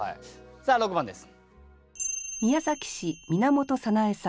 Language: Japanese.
さあ６番です。